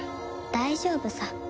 大丈夫さ。